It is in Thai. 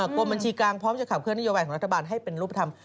กรมบัญชีกลางพร้อมจะขับเคลื่อนนโยบายของรัฐบาลให้เป็นรูปธรรม